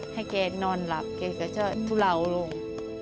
ให้แกนอนหลับแกก็จะทุเลาลง